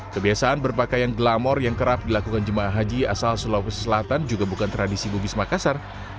kebiasaan berpakaian glamor yang kerap dilakukan jemaah haji asal sulawesi selatan juga bukan tradisi bukit makassar